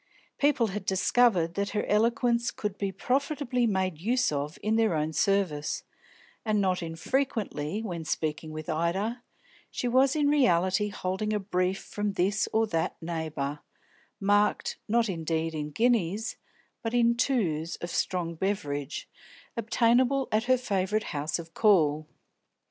People had discovered that her eloquence could be profitably made use of in their own service, and not infrequently, when speaking with Ida, she was in reality holding a brief from this or that neighbour, marked, not indeed in guineas, but in "twos" of strong beverage, obtainable at her favourite house of call.